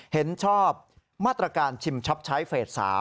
เห็นชอบมาตรการชิมช็อปใช้เฟส๓